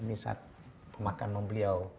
ini saat pemakanan beliau